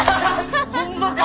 ホンマか！